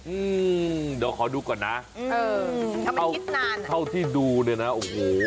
อืมขอดูก่อนนะเขาที่ดูนะโห